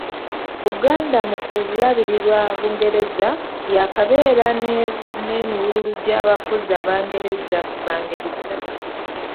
Buganda mu kulabirirwa Bungereza, yaakabeera n'emiwululu gy'abafuzi Abangereza ba ngeri ssatu.